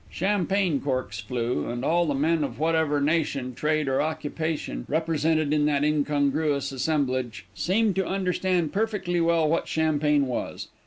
Champagne corks flew, and all the men of whatever nation, trade, or occupation represented in that incongruous assemblage, seemed to understand perfectly well what champagne was.